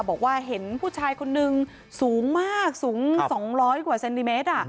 บอกว่าเห็นผู้ชายคนนึงสูงมากสูง๒๐๐กว่าเซนติเมตร